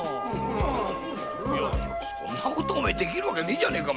そんなことできるわけねえじゃねえか！